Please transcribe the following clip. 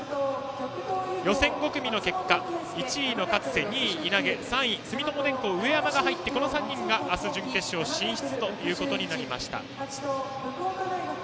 予選５組の結果１位の勝瀬、２位に稲毛３位に住友電工の上山が入ってこの３人が明日の準決勝進出です。